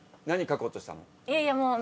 何書こうとしたの？